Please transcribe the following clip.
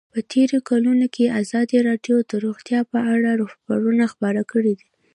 په تېرو کلونو کې ازادي راډیو د روغتیا په اړه راپورونه خپاره کړي دي.